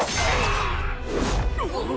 あっ！？